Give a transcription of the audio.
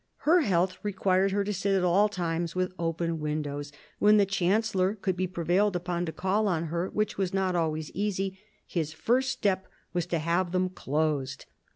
Her health required her to sit at all times with open windows; when the chancellor could be prevailed upon to call on her, which was not always easy, his first step was to have them closed.